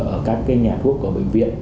ở các nhà thuốc ở bệnh viện